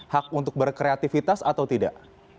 hak untuk berkreativitas atau tidak